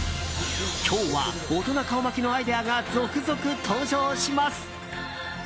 今日は、大人顔負けのアイデアが続々登場します。